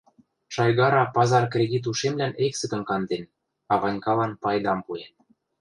Шайгара пазар кредит ушемлӓн эксӹкӹм канден, а Ванькалан пайдам пуэн.